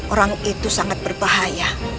orang itu sangat berbahaya